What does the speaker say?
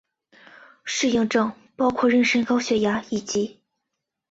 适应症包含妊娠高血压以及。